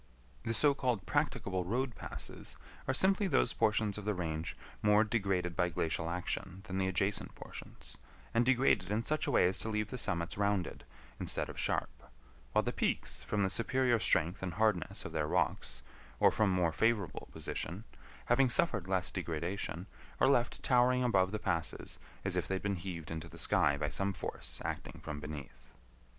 The so called practicable road passes are simply those portions of the range more degraded by glacial action than the adjacent portions, and degraded in such a way as to leave the summits rounded, instead of sharp; while the peaks, from the superior strength and hardness of their rocks, or from more favorable position, having suffered less degradation, are left towering above the passes as if they had been heaved into the sky by some force acting from beneath.